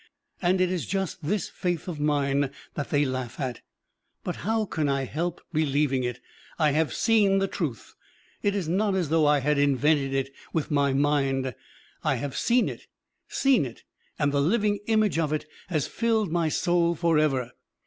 And it is just this faith of mine that they laugh at. But how can I help believing it? I have seen the truth it is not as though I had invented it with my mind, I have seen it, seen it, and the living image of it has filled my soul for ever.